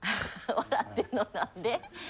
笑ってんの何で？